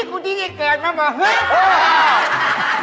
คนใต้คือที่เกิดมาแม่น